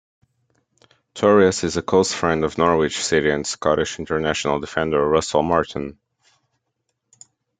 Torres is a close friend of Norwich City and Scottish International defender Russell Martin.